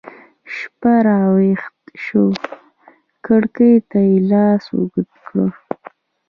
شپه راویښه شوه کړکۍ ته يې لاس اوږد کړ